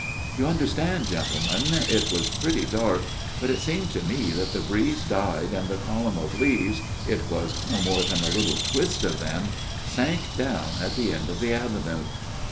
" You understand, gentlemen, it was pretty dark ; but it seemed to me that the breeze died and the column of leaves it was no more than a little twist of them sank down at the end of the avenue.